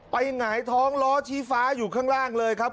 หงายท้องล้อชี้ฟ้าอยู่ข้างล่างเลยครับ